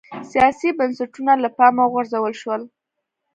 سیاسي بنسټونه له پامه وغورځول شول